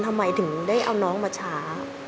ทำไมถึงได้เอาน้องมาช้า